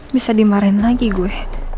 bisa dimarahin lagi gue